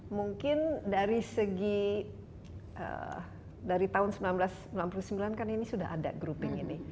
mungkin dari segi dari tahun seribu sembilan ratus sembilan puluh sembilan kan ini sudah ada grouping ini